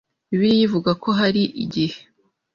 Bibiliya ivuga ko hari igih